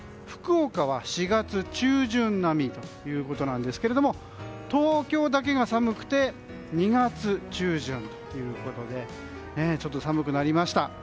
福岡は４月中旬並みということなんですけれども東京だけが寒くて２月中旬ということでちょっと寒くなりました。